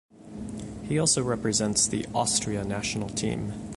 He also represents the Austria national team.